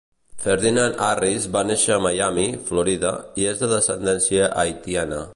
Ferdinand-Harris va néixer a Miami, Florida i és de descendència haitiana.